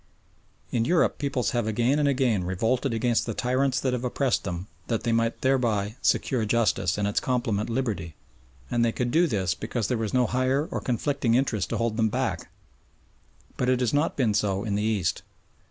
In Europe peoples have again and again revolted against the tyrants that have oppressed them that they might thereby secure justice and its complement liberty, and they could do this because there was no higher or conflicting interest to hold them back; but it has not been so in the East.